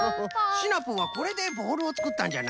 シナプーはこれでボールをつくったんじゃな。